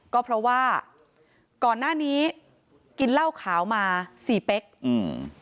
ก็เพราะว่าก่อนหน้านี้กินเหล้าขาวมาสี่เป๊กอืม